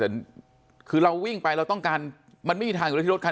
แต่คือเราวิ่งไปเราต้องการมันไม่มีทางอยู่แล้วที่รถคัน